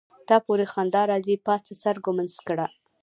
تا پوری خندا راځي پاڅه سر ګمنځ کړه.